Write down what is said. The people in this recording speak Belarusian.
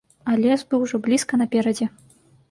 А лес быў ужо блізка наперадзе.